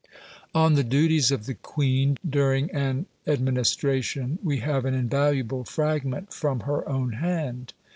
On the duties of the Queen during an administration we have an invaluable fragment from her own hand.